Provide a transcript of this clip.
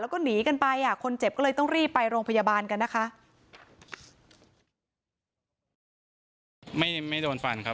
แล้วก็หนีกันไปอ่ะคนเจ็บก็เลยต้องรีบไปโรงพยาบาลกันนะคะ